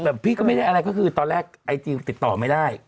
แต่พี่ก็ไม่ได้อะไรก็คือตอนแรกไอจีติดต่อไม่ได้